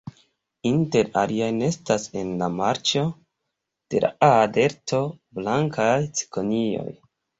Inter aliaj nestas en la marĉo de la Aa-Delto blankaj cikonioj.